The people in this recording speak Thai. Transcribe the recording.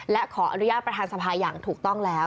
และขออนุญาตประธานสภาอย่างถูกต้องแล้ว